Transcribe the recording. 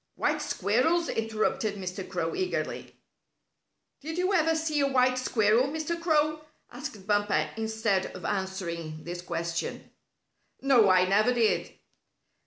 "White squirrels?" interrupted Mr. Crow, eagerly. "Did you ever see a white squirrel, Mr. Crow?" asked Bumper, instead of answering this question. "No, I never did."